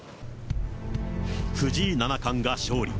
藤井七冠が勝利。